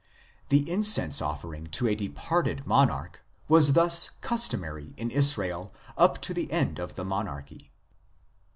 The incense offer ing to a departed monarch was thus customary in Israel up to the end of the monarchy.